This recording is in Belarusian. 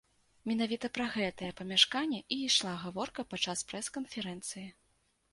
Менавіта пра гэтае памяшканне і ішла гаворка падчас прэс-канферэнцыі.